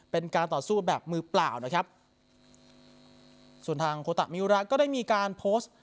เป็นการต่อสู้แบบมือเปล่านะครับส่วนทางโคตะมิวระก็ได้มีการโพสต์